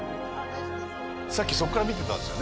さっきそこから見てたんですよね。